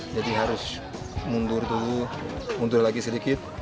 jadi harus mundur dulu mundur lagi sedikit